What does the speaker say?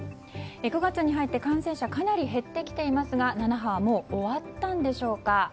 ９月に入って感染者かなり減ってきていますが７波はもう終わったんでしょうか。